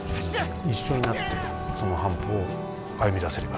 一緒になってその半歩を歩みだせればなと。